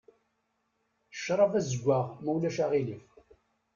Ccṛab azeggaɣ ma ulac aɣilif.